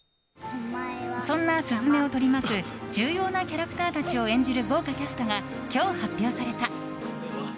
そんな鈴芽を取り巻く重要なキャラクターたちを演じる豪華キャストが今日発表された。